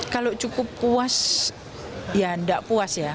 kalau cukup puas ya tidak puas ya